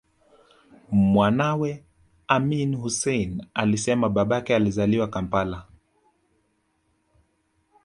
Mwanawe Amin Hussein alisema babake alizaliwa Kampala